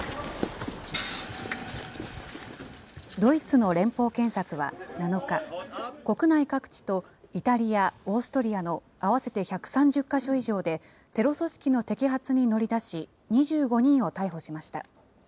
ドイツの連邦検察は７日、国内各地とイタリア、オーストリアの合わせて１３０か所以上で、テロ組織の摘発に乗り出し、２５人を逮捕しました。